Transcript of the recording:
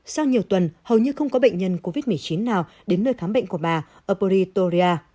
sau nhiều tuần hầu như không có bệnh nhân covid một mươi chín nào đến nơi khám bệnh của bà oporitoria